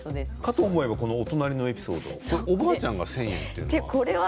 隣のエピソードはおばあちゃんが１０００円というのは？